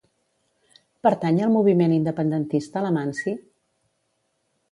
Pertany al moviment independentista l'Amanci?